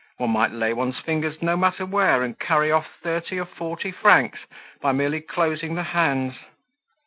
One might lay one's fingers no matter where, and carry off thirty or forty francs by merely closing the hands.